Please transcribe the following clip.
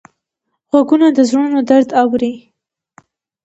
غوږونه د زړونو درد اوري